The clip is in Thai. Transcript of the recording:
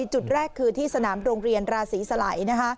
จุดแรกคือที่สนามโรงเรียนราศีสลัย